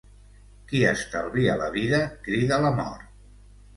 Qui estalvia la vida crida la mort.